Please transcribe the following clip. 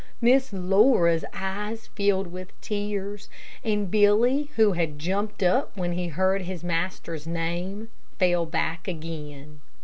Miss Laura's eyes filled with tears, and Billy, who had jumped up when he heard his master's name, fell back again.